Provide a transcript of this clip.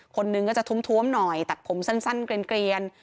คนนึงก็จะท้วมหน่อยตัดผมสั้นเกลียน